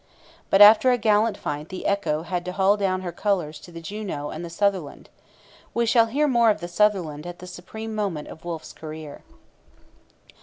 But after a gallant fight the Echo had to haul down her colours to the Juno and the Sutherland. We shall hear more of the Sutherland at the supreme moment of Wolfe's career.